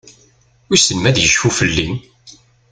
Wissen ma ad tecfu fell-i?